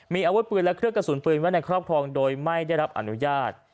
มีอาวุธปืนและเครื่องกระสุนปืนไว้ในครอบครองโดยไม่ได้รับอนุญาต